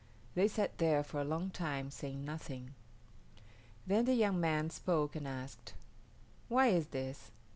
They sat there for a long time, saying nothing. Then the young man spoke and asked, "Why is this?